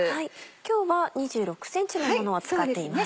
今日は２６ｃｍのものを使っています。